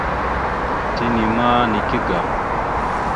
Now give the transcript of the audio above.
Tina ma nike agam.